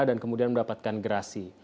dan kemudian mendapatkan gerasi